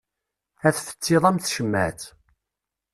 Ad tfettiḍ am tcemmaεt.